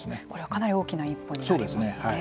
かなり大きな一歩になりますよね。